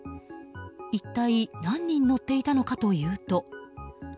一体、何人乗っていたのかというと。